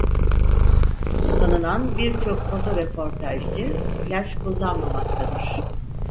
Tanınan birçok foto röportajcı flaş kullanmamaktadır.